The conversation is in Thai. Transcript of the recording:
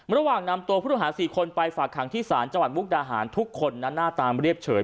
ระหว่างนำตัวผู้ต้องหา๔คนไปฝากขังที่ศาลจังหวัดมุกดาหารทุกคนนั้นหน้าตามันเรียบเฉย